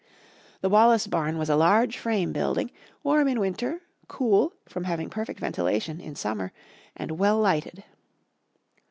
The Wallace barn was a large frame building, warm in winter, cool, from having perfect ventilation, in summer, and well lighted.